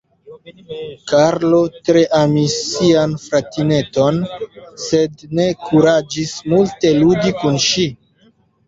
Karlo tre amis sian fratineton, sed ne kuraĝis multe ludi kun ŝi.